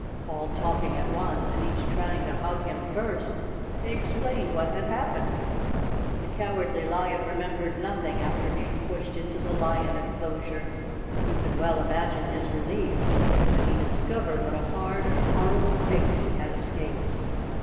All talking at once, and each trying to hug him first, they explained what had hap¬ pened. The Cowardly Lion remembered nothing after being pushed into the lion enclosure. You can well imagine his relief when he discovered what a hard and horrible fate he had escaped.